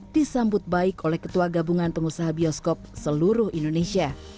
disambut baik oleh ketua gabungan pengusaha bioskop seluruh indonesia